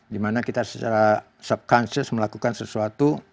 di mana kita secara sub conscious melakukan sesuatu